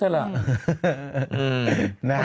แสดงแหน่ะรู้ดีนะเธอล่ะ